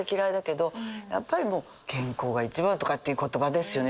やっぱりもうとかっていう言葉ですよね